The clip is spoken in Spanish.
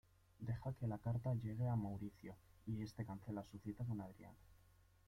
Deja que la carta llegue a Maurizio, y este cancela su cita con Adriana.